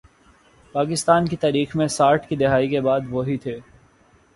پاکستان کی تاریخ میں ساٹھ کی دہائی کے بعد، وہی تھے۔